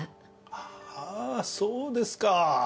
ああそうですか。